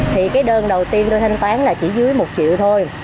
thì cái đơn đầu tiên tôi thanh toán là chỉ dưới một triệu thôi